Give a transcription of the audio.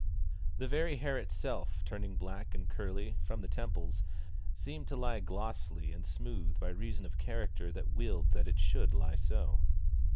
The very hair itself, turning black and curly, from the temples, seemed to lie glossy and smooth by reason of character that willed that it should lie so.